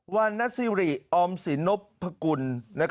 วันนัสศิริออมศินปกรณ์